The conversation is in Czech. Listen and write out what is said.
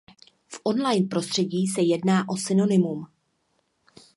V online prostředí se jedná o synonymum.